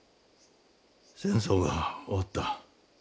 戦争が終わった。